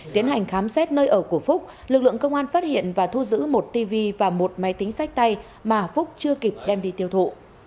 tiến hành khám xét nơi ở của phúc lực lượng công an phát hiện và thu giữ một tv và một máy tính sách tay mà phúc chưa kịp đem đi tiêu thụ